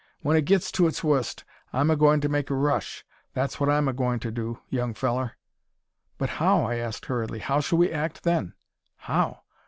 When it gets to its wurst I'm a gwine to make a rush. That's what I'm a gwine ter do, young fellur." "But how?" I asked, hurriedly; "how shall we act then?" "How?